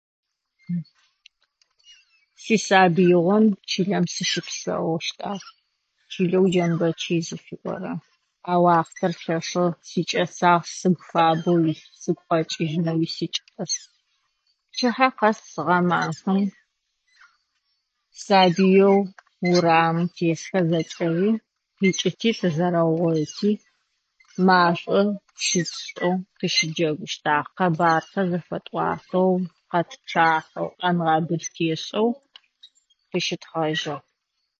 Си сабийгъом чылэм сыщыпсэущтагъ, Чылэу Джамбэчый зыфиӏорэ. А уахътэр лъэшэу сыкӏэсагъ, псым фабэу сыгу къэкӏыжынэуи сикӏас. Пчыхьэ къэс гъэмафэм, сабиеу урамым тесхэр зэкӏэри икӏыти зэзэрэуойти машӏом [unintelligible] тыщыджэгущтагъ, къэбэрхэр зэфэтӏуатэу, къэтчахьэу, къэмгъэбыл тешӏэу тыщытхъэжыгъ.